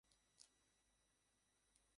অধ্যসায় মানব চরিত্রের একটি গুণ- অন্যতম বৈশিষ্ট্য।